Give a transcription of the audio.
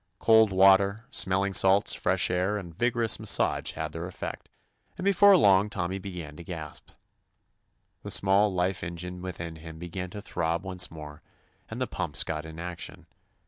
Cold water, smelling salts, fresh air, and vigorous massage had their effect, and before long Tommy began to gasp. The small life en gine within him began to throb once more, and the pumps got in action.